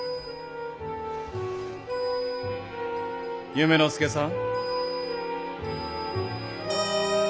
夢の助さん。